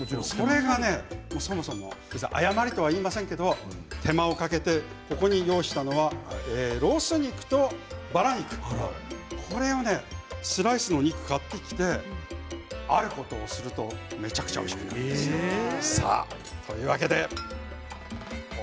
それがそもそも誤りとは言えませんが手間をかけてここに用意したのはロース肉とバラ肉、これをねスライスの肉を買ってきてあることをすると、めちゃくちゃおいしくなるんですよ。というわけで。